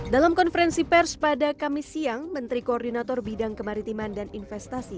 dalam konferensi pers pada kamis siang menteri koordinator bidang kemaritiman dan investasi